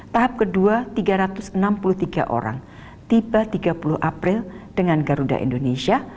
tahap kedua tiga ratus enam puluh tiga orang tiba tiga puluh april dengan garuda indonesia